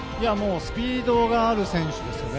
スピードがある選手ですよね。